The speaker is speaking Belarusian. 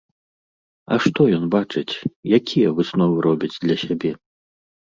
А што ён бачыць, якія высновы робіць для сябе?